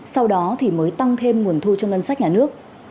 sau đó thì mới tăng thêm nguồn thu cho ngân sách nhà nước